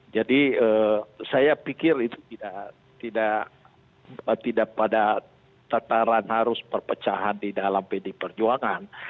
jadi saya pikir itu tidak pada tataran harus perpecahan di dalam pd perjuangan